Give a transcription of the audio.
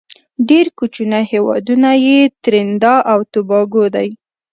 ډیر کوچینی هیوادونه یې تريندا او توباګو دی.